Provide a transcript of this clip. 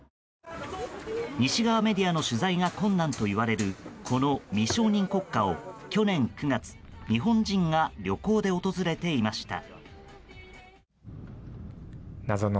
西側メディアの取材が困難といわれるこの未承認国家を、去年９月日本人が旅行で訪れていました。